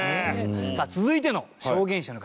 柴田：続いての証言者の方